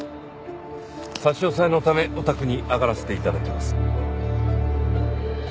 差し押さえのためお宅に上がらせて頂きます。